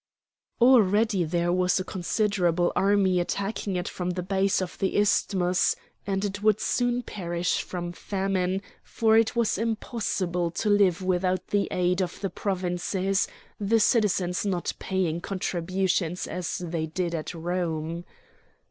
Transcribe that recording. Already there was a considerable army attacking it from the base of the isthmus, and it would soon perish from famine, for it was impossible to live without the aid of the provinces, the citizens not paying contributions as they did at Rome.